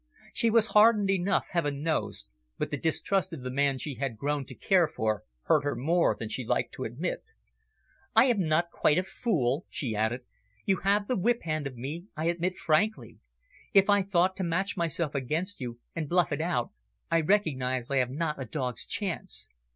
She was hardened enough, heaven knows, but the distrust of the man she had grown to care for hurt her more than she liked to admit. "I am not quite a fool," she added. "You have the whip hand of me, I admit frankly. If I thought to match myself against you, and bluff it out, I recognise I have not a dog's chance.